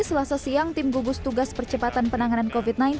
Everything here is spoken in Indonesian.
selasa siang tim gugus tugas percepatan penanganan covid sembilan belas